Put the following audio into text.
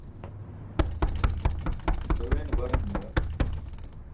Saweene baran bila.